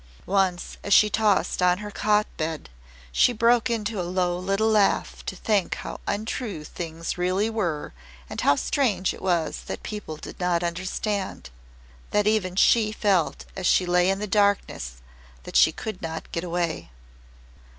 Once, as she tossed on her cot bed, she broke into a low little laugh to think how untrue things really were and how strange it was that people did not understand that even she felt as she lay in the darkness that she could not get away.